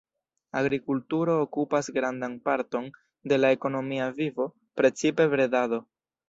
Agrikulturo okupas grandan parton de la ekonomia vivo, precipe bredado.